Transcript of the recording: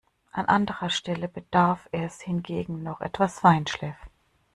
An anderer Stelle bedarf es hingegen noch etwas Feinschliff.